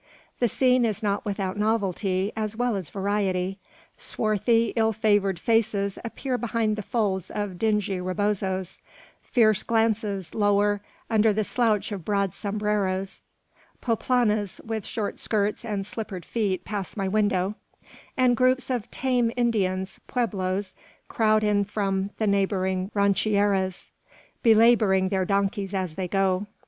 The scene is not without novelty as well as variety. Swarthy, ill favoured faces appear behind the folds of dingy rebozos. Fierce glances lower under the slouch of broad sombreros. Poplanas with short skirts and slippered feet pass my window; and groups of "tame" Indians, pueblos, crowd in from the neighbouring rancherias, belabouring their donkeys as they go.